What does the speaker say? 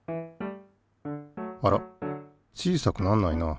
あら小さくなんないな。